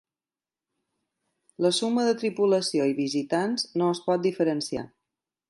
La suma de tripulació i visitants no es pot diferenciar.